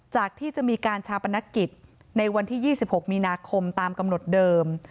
ที่จะมีการชาปนกิจในวันที่๒๖มีนาคมตามกำหนดเดิม